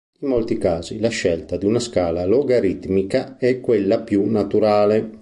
In molti casi la scelta di una scala logaritmica è quella più naturale.